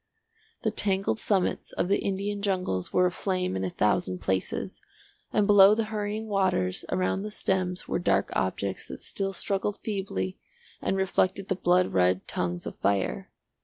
The tangled summits of the Indian jungles were aflame in a thousand places, and below the hurrying waters around the stems were dark objects that still struggled feebly and reflected the blood red tongues of fire.